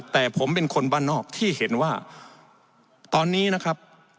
แต่ผมเป็นคนบ้านนอกที่เห็นว่าตอนนี้นะครับ